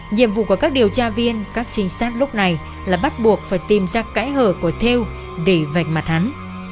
nhiệm vụ của các điều tra viên các trinh sát lúc này là bắt buộc phải tìm ra cãi hở của theo để vạch mặt hắn